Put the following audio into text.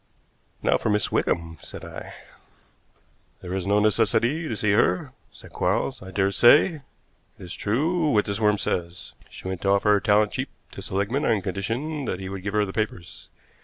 "Now for Miss Wickham," said I. "There is no necessity to see her," said Quarles. "I dare say it is true what this worm says. She went to offer her talent cheap to Seligmann on condition that he would give her the papers.